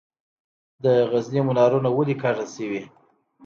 د غزني منارونه ولې کږه شوي؟